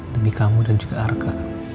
demi kamu dan juga arka